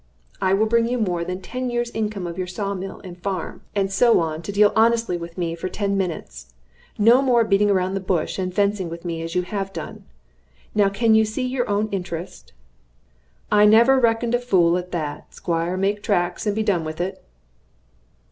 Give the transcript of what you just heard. It will bring you more than ten years' income of your saw mill, and farm, and so on, to deal honestly with me for ten minutes. No more beating about the bush and fencing with me, as you have done. Now can you see your own interest?" "I never were reckoned a fool at that. Squire, make tracks, and be done with it."